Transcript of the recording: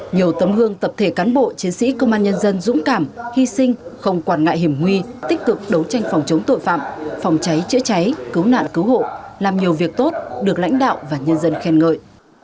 nhiều tấm hương tập thể cán bộ chiến sĩ công an nhân dân dũng cảm hy sinh không quản ngại hiểm nguy tích cực đấu tranh phòng chống tội phạm phòng cháy chữa cháy cứu nạn cứu hộ làm nhiều việc tốt được lãnh đạo và nhân dân khen ngợi